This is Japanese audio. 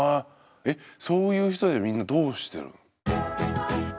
えそういう人ってみんなどうしてる？